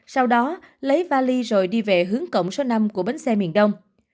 sau đó lấy vali rồi đi về hướng cổng số năm của bến xe miền đông